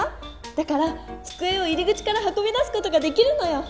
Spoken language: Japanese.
だからつくえを入り口からはこび出すことができるのよ！